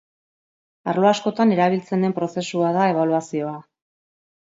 Arlo askotan erabiltzen den prozesua da ebaluazioa.